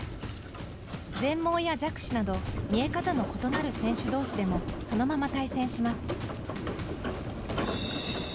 全盲や弱視など見え方の異なる選手同士でもそのまま対戦します。